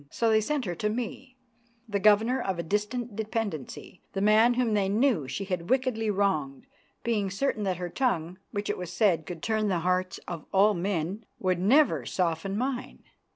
So they sent her to me, the governor of a distant dependency, the man whom they knew she had wickedly wronged, being certain that her tongue, which it was said could turn the hearts of all men, would never soften mine.